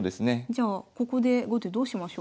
じゃあここで後手どうしましょうか。